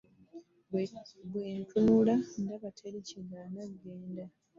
Bwe ntunula ndaba teri kiŋŋaana kugenda.